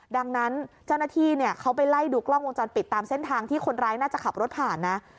ดังนั้นเจ้าหน้าที่เขาไปไล่ดูกล้องวงจรปิดตามเส้นทางที่คนร้ายน่าจะขับรถผ่านนะ